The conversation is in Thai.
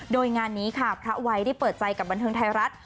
โดยงานนี้ค่ะพระวัยได้เปิดใจกับบันเทิงไทยรัฐ